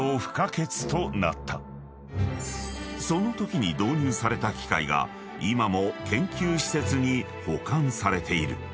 ［そのときに導入された機械が今も研究施設に保管されている］